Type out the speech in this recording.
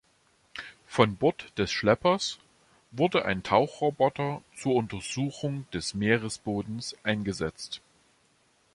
Von Bord des Schleppers wurde ein Tauchroboter zur Untersuchung des Meeresbodens eingesetzt.